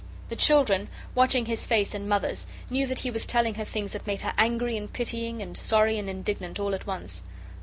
The children, watching his face and Mother's, knew that he was telling her things that made her angry and pitying, and sorry and indignant all at once.